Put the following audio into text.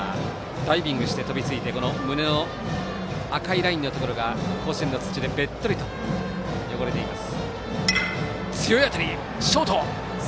ダイビングして飛びついて胸の赤いラインのところが甲子園の土でべっとりと汚れています。